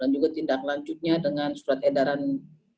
dan juga tindak lanjutnya dengan surat edaran menteri